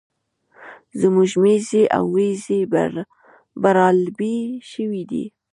زموږ ميږي او وزې برالبې شوې دي